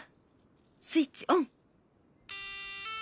スイッチオン！